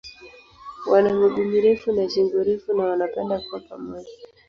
Wana miguu mirefu na shingo refu na wanapenda kuwa pamoja.